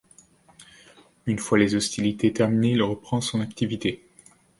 Une fois les hostilités terminées, il reprend son activité.